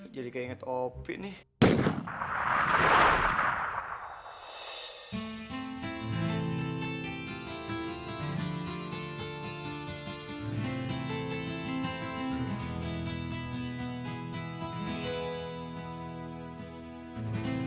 jadi kayak ngetopi nih